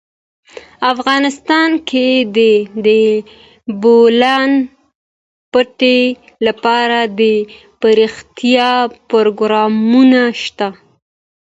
افغانستان کې د د بولان پټي لپاره دپرمختیا پروګرامونه شته.